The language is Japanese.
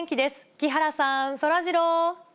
木原さん、そらジロー。